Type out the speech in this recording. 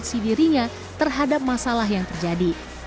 kondisi dirinya terhadap masalah yang terjadi